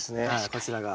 こちらが。